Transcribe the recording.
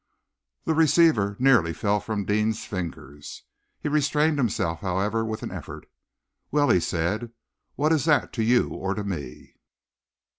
The receiver nearly fell from Deane's fingers. He restrained himself, however, with an effort. "Well," he said, "what is that to you or to me?"